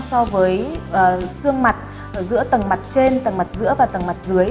so với xương mặt giữa tầng mặt trên tầng mặt giữa và tầng mặt dưới